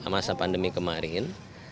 masa pandemi kemarin